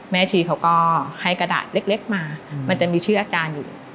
ชีเขาก็ให้กระดาษเล็กมามันจะมีชื่ออาจารย์อยู่